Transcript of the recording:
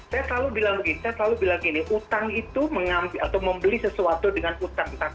saya selalu bilang gini utang itu atau membeli sesuatu dengan utang